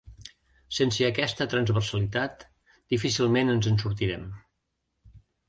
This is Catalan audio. Sense aquesta transversalitat, difícilment ens en sortirem.